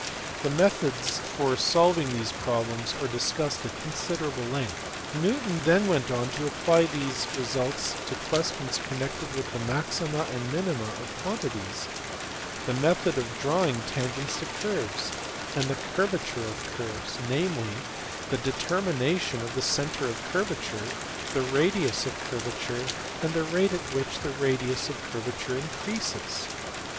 The methods for solving these problems are discussed at considerable length. Newton then went on to apply these results to questions connected with the maxima and minima of quantities, the method of drawing tangents to curves, and the curvature of curves (namely, the determination of the centre of curvature, the radius of curvature, and the rate at which the radius of curvature increases).